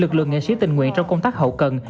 lực lượng nghệ sĩ tình nguyện trong công tác hậu cần